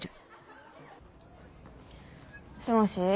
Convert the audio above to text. もしもし。